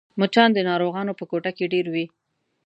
مچان د ناروغانو په کوټه کې ډېر وي